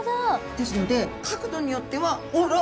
ですので角度によってはあら！